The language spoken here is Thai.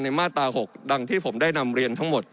มาตรา๖ดังที่ผมได้นำเรียนทั้งหมด